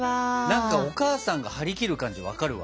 何かお母さんが張り切る感じ分かるわ。